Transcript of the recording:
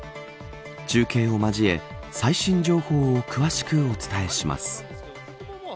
中継を交え最新情報を詳しくお伝えします。